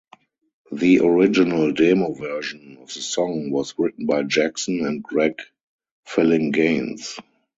The original demo version of the song was written by Jackson and Greg Phillinganes.